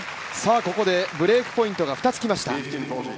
ここでブレークポイントが２つ来ました。